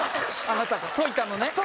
あなたが解いたのね？